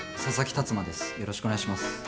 佐々木辰馬です。